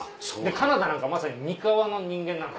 金田なんかまさに三河の人間なんで。